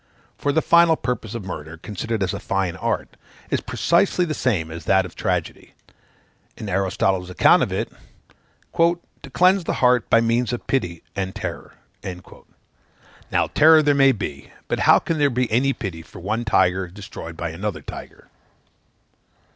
For the final purpose of murder, considered as a fine art, is precisely the same as that of tragedy, in Aristotle's account of it, viz., "to cleanse the heart by means of pity and terror." Now, terror there may be, but how can there be any pity for one tiger destroyed by another tiger?